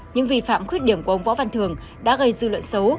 những vi phạm khuyết điểm của ông võ văn thường đã gây dư luận xấu